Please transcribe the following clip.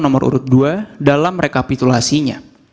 nomor urut dua dalam rekapitulasinya